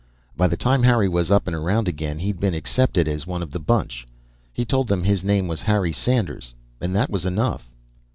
By the time Harry was up and around again, he'd been accepted as one of the bunch. He told them his name was Harry Sanders, and that was enough.